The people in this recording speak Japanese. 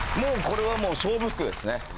これはもう勝負服ですね。